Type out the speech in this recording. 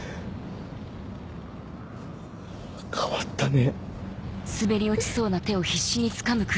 変わったね。